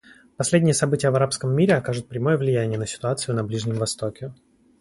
Последние события в арабском мире окажут прямое влияния на ситуацию на Ближнем Востоке.